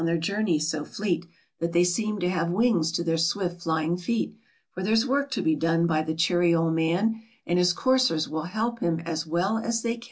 H is steeds speed away on their journey so fleet, That they seem to have wings to their swift flying feet, For there's work to be done by the cheery old man, And his coursers will help him as well as they can.